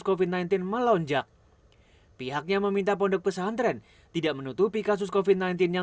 kofi sembilan belas melonjak pihaknya meminta pondok pesantren tidak menutupi kasus kofit sembilan belas yang